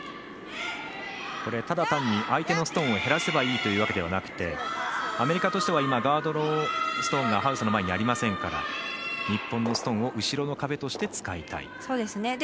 ただ単に相手のストーンを減らせばいいというわけではなくアメリカとしてはガードのストーンがハウスの前にありませんから日本のストーンを後ろの壁として使いたい。